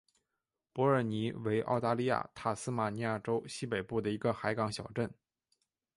伯尔尼为澳大利亚塔斯马尼亚州西北部的一个海港小镇。